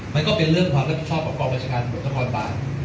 มันก็เป็นเรื่องความรับผิดชอบของกรบัญชาการสมุทธควรบ้าน